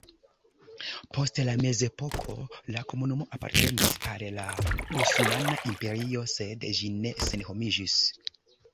Post la mezepoko la komunumo apartenis al la Osmana Imperio sed ĝi ne senhomiĝis.